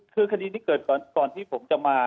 คือคดีนี้เกิดก่อนที่ผมจะมา